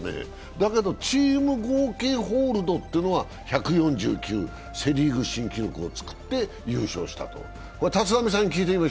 だけどチーム合計ホールドは１４９、セ・リーグ新記録を作って優勝したと。